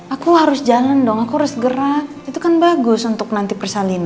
aku harus jalan dong aku harus gerak itu kan bagus untuk nanti persalinan